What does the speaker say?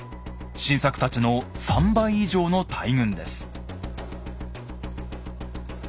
晋作たちの３倍以上の大軍です。